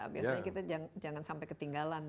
biasanya kita jangan sampai ketinggalan